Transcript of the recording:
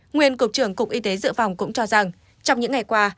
nguyên cục trưởng cục y tế dự phòng cũng cho rằng trong những ngày qua